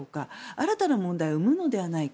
新たな問題を生むのではないか。